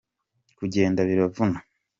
Kugenda biravuna.